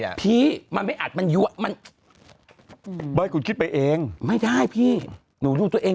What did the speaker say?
พี่มันไม่อัดมันยัวมันเบ้ยคุณคิดไปเองไม่ได้พี่หนูดูตัวเอง